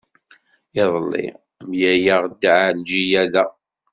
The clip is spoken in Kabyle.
Iḍelli, mlaleɣ-d Ɛelǧiya da.